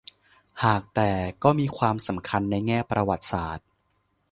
หากแต่ก็มีความสำคัญในแง่ประวัติศาสตร์